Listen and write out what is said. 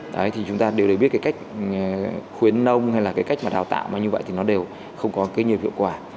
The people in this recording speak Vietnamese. đấy thì chúng ta đều biết cái cách khuyến nông hay là cái cách mà đào tạo mà như vậy thì nó đều không có cái nhiều hiệu quả